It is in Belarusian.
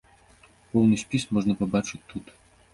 Поўны спіс можна пабачыць тут.